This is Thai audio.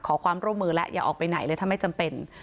ขอความร่วมมือแล้วอย่าออกไปไหนเลยถ้าไม่จำเป็น